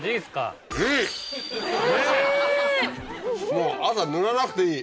もう朝塗らなくていい。